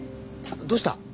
どうした？